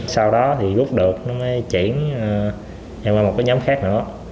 sau đó thì góp được nó mới chuyển vào một nhóm khác nữa